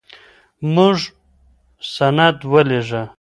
موږ سند ولېږه.